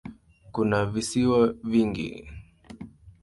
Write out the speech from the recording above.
Kuna visiwa vingi.